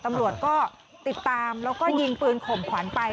ตำรวจก็ติดตามแล้วก็ยิงปืนข่มขวัญไป